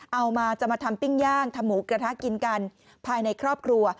เอามาจะมาทำปิ้งย่างทำหมูกระทะกินกันภายในครอบครัว